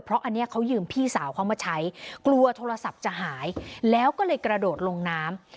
เพราะอันนี้เขายืมพี่สาวเขามาใช้กลัวโทรศัพท์จะหายแล้วก็เลยกระโดดลงน้ำ